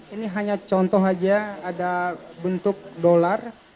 ini hanya contoh saja ada bentuk dolar